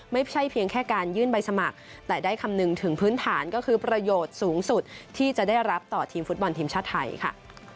ไม่ใช่เพียงแค่การยื่นใบสมัครแต่ได้คำนึงถึงพื้นฐานก็คือประโยชน์สูงสุดที่จะได้รับต่อทีมฟุตบอลทีมชาติไทยค่ะ